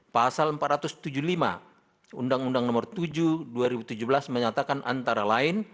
pasal empat ratus tujuh puluh lima undang undang nomor tujuh dua ribu tujuh belas menyatakan antara lain